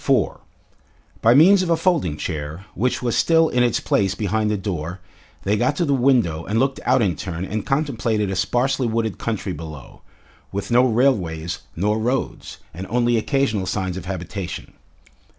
4 By means of a folding chair, which was still in its place behind the door, they got to the window and looked out in turn and contemplated a sparsely wooded country below, with no railways nor roads, and only occasional signs of habitation.